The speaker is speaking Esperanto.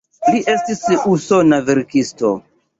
Li estis usona verkisto.